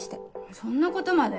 そんなことまで？